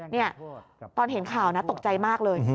นี่ตอนเห็นข่าวนะตกใจมากเลย